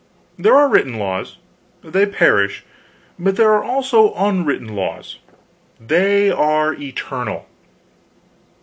There are written laws they perish; but there are also unwritten laws they are eternal.